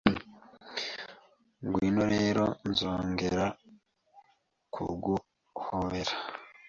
Ngwino rero, nzongera kuguhobera!